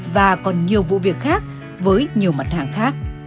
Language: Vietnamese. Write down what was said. và còn nhiều vụ việc khác với nhiều mặt hàng khác